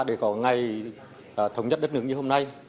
để có ngày thống nhất đất nước như hôm nay